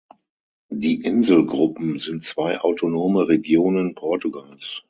Die Inselgruppen sind zwei autonome Regionen Portugals.